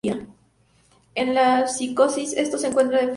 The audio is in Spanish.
En la psicosis esto se encuentra en falta.